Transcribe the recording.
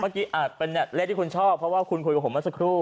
เมื่อกี้อ่ะเป็นอ่ะเลขที่คุณชอบเพราะว่าคุณคุยกับผมมาสักครู่